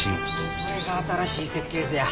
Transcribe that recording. これが新しい設計図や。